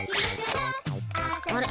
あれ？